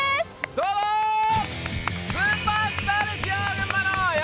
どうもスーパースターですよ